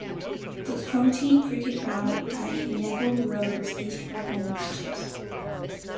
The County Cricket Ground at Nevil Road was leased for home matches.